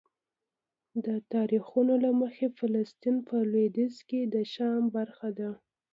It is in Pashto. د تاریخونو له مخې فلسطین په لویدیځ کې د شام برخه ده.